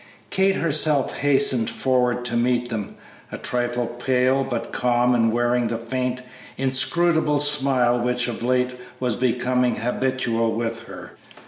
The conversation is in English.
Kate herself hastened forward to meet them, a trifle pale, but calm and wearing the faint, inscrutable smile which of late was becoming habitual with her.